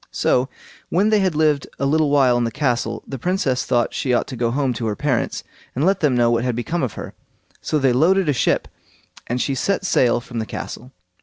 So, when they had lived a little while in the castle, the Princess thought she ought to go home to her parents, and let them know what had become of her; so they loaded a ship, and she set sail from the castle.